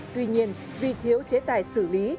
tuy nhiên vì thiếu chế tài xử lý